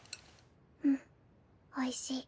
うんおいしい。